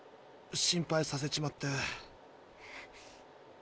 心配させちまって。